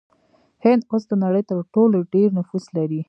هند اوس د نړۍ تر ټولو ډیر نفوس لري.